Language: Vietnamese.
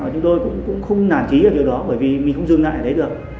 chúng tôi cũng không nản trí ở điều đó bởi vì mình không dừng lại ở đấy được